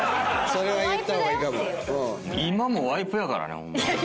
今もワイプやからねホンマ。